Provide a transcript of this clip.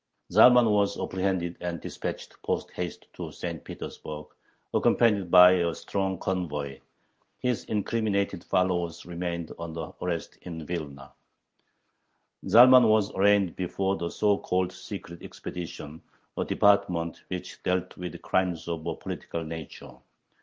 Zalman was apprehended and dispatched post haste to St. Petersburg, accompanied by "a strong convoy"; his incriminated followers remained under arrest in Vilna. Zalman was arraigned before the so called "Secret Expedition," a department which dealt with crimes of a political nature.